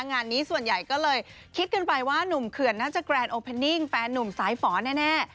งานนี้ส่วนใหญ่ก็เลยคิดกันไปว่านุ่มเขื่อนน่าจะแกรนโอเพนิ่งแฟนนุ่มสายฝอแน่